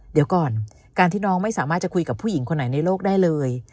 เดี๋ยวก่อนการที่น้องไม่สามารถจะคุยกับผู้หญิงคนไหนในโลกได้เลย